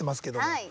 はい。